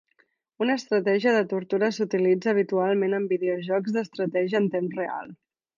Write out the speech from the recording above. Una estratègia de tortuga s'utilitza habitualment en videojocs d'estratègia en temps real.